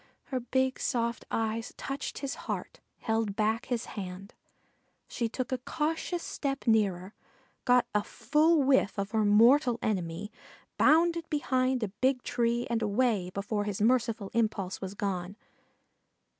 Her big soft eyes touched his heart, held back his hand; she took a cautious step nearer, got a full whiff of her mortal enemy, bounded behind a big tree and away before his merciful impulse was gone.